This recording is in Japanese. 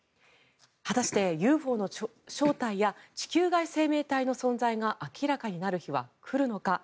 果たして、ＵＦＯの正体や地球外生命体の存在が明らかになる日は来るのか。